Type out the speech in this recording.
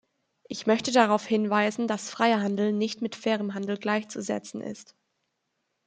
Ich möchte darauf hinweisen, dass freier Handel nicht mit fairem Handel gleichzusetzen ist.